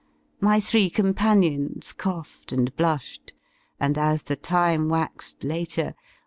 My three companions coughed and blushed. And as the time zuaxed later.